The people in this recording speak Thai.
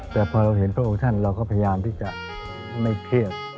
แต่พอเราเห็นพระองค์ท่านเราก็พยายามที่จะไม่เครียด